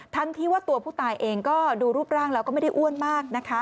ที่ว่าตัวผู้ตายเองก็ดูรูปร่างแล้วก็ไม่ได้อ้วนมากนะคะ